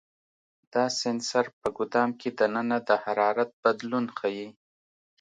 دا سنسر په ګدام کې دننه د حرارت بدلون ښيي.